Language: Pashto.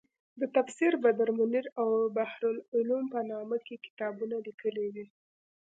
د تفسیر بدرمنیر او بحرالعلوم په نامه یې کتابونه لیکلي دي.